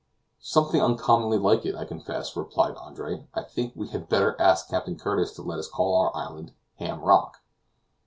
"Something uncommonly like it, I confess," replied Andre. "I think we had better ask Captain Curtis to let us call our island Ham Rock."